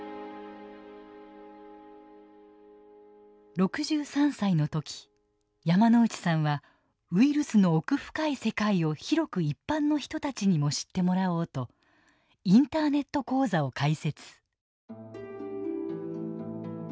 ６３歳の時山内さんはウイルスの奥深い世界を広く一般の人たちにも知ってもらおうとインターネット講座を開設。